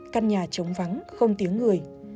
căn nhà trống vắng không tiếng người